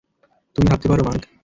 তুমি ভাবতে পারো, মার্ক?